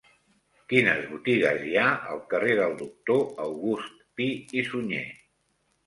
Quines botigues hi ha al carrer del Doctor August Pi i Sunyer?